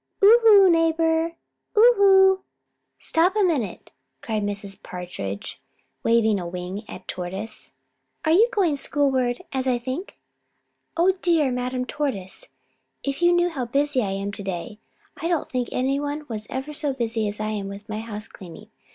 "Oho, neighbor, oho! Stop a minute!" cried Mrs. Partridge, waving a wing at Tortoise. "Are you going schoolward, as I think? Oh, dear Madame Tortoise, if you knew how busy I am to day. I don't think any one was ever so busy as I am with my house cleaning.